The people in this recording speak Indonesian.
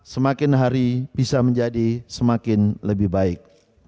semakin hari bisa menjadi semakin lebih baik